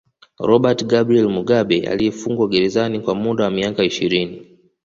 Robert Gabriel Mugabe aliyefungwa gerzani kwa muda wa miaka ishirini